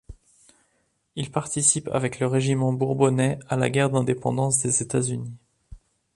Il participe avec le régiment Bourbonnais à la guerre d'indépendance des États-Unis.